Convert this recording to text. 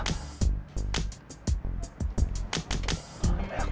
itu kan mobilnya arta